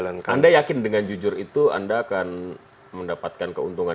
anda yakin dengan jujur itu anda akan mendapatkan keuntungan